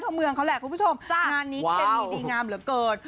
ต้องได้ดีงามเหลือเกิน